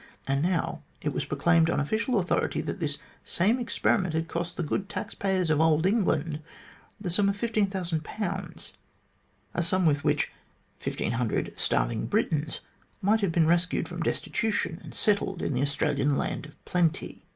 And now it was proclaimed on official authority that this same experi ment had cost the good tax payers of old England the sum of 15,000, a sum with which 1500 starving Britons might have been rescued from destitution and settled in the Australian land of plenty.